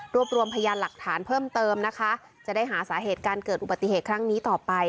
รวมรวมพยานหลักฐานเพิ่มเติมนะคะจะได้หาสาเหตุการเกิดอุบัติเหตุครั้งนี้ต่อไป